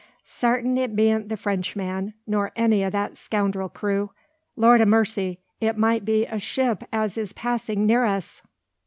Sartin it bean't the Frenchman, nor any o' that scoundrel crew. Lord o' mercy! It might be a ship as is passing near us!"